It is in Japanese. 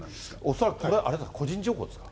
恐らくこれ、個人情報ですか？